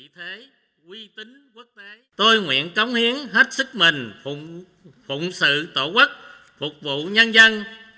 tôi nguyện cống hiến hết sức mình phụng sự tổ quốc phục vụ nhân dân